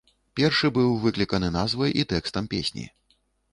Першы быў выкліканы назвай і тэкстам песні.